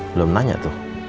belum nanya tuh